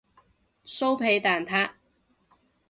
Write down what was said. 酥皮蛋撻